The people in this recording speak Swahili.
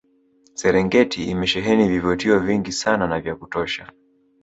Serengeti imesheheni vivutio vingi sana na vya kutosha